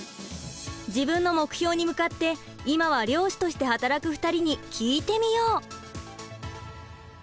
自分の目標に向かって今は漁師として働く２人に聞いてみよう！